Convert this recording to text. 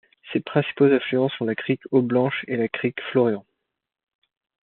Ses principaux affluents sont la crique Eau-Blanche et la crique Florian.